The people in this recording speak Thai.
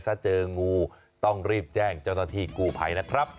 โปรดติดตามตอนต่อไป